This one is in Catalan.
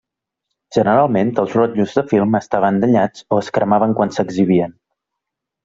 Generalment els rotllos de film estaven danyats o es cremaven quan s'exhibien.